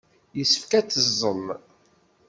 Yessefk ad teẓẓel.